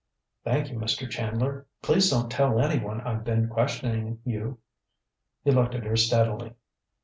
"Thank you, Mr. Chandler. Please don't tell anyone I've been questioning you." He looked at her steadily.